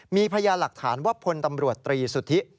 มีพยานหลักฐานว่าพลตำรวจตรีสุทธิ